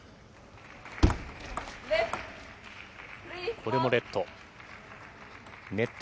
これもレット。